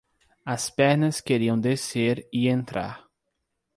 As pernas queriam descer e entrar.